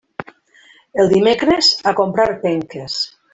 El dimecres, a comprar penques.